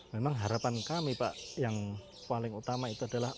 memang harapan kami pak yang paling utama itu adalah